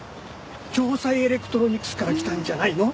城西エレクトロニクスから来たんじゃないの？